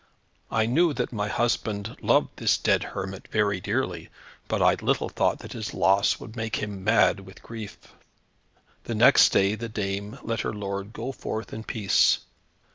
I knew that my husband loved this dead hermit very tenderly, but I little thought that his loss would make him mad with grief." The next day the dame let her lord go forth in peace.